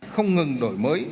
không ngừng đổi mới